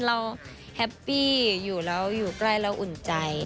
แฮปปี้อยู่แล้วอยู่ใกล้เราอุ่นใจ